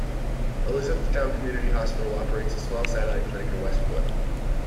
Elizabethtown Community Hospital operates a small satellite clinic in Westport.